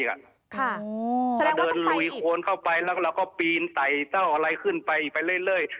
ค่ะแสดงว่าต้องไปอีกเราเดินลุยโค้นเข้าไปแล้วเราก็ปีนใส่เจ้าอะไรขึ้นไปไปเรื่อยเรื่อย